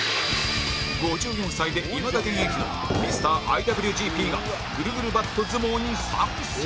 ５４歳でいまだ現役のミスター ＩＷＧＰ がぐるぐるバット相撲に参戦！